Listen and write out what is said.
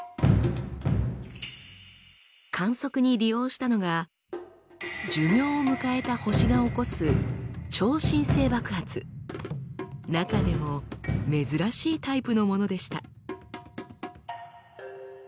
観測に利用したのが寿命を迎えた星が起こす中でも珍しいタイプのものでした。